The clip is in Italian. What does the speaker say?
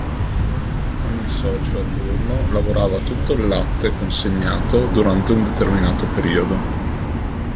Ogni socio a turno lavorava tutto il latte consegnato durante un determinato periodo.